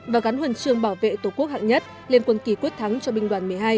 và gắn huần trường bảo vệ tổ quốc hạng nhất lên quân kỳ quyết thắng cho binh đoàn một mươi hai